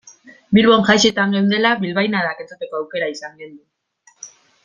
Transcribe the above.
Bilbo jaietan geundela bilbainadak entzuteko aukera izan genuen.